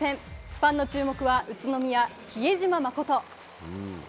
ファンの注目は、宇都宮、比江島慎。